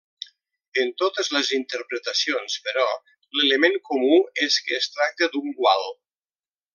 En totes les interpretacions, però, l'element comú és que es tracta d'un gual.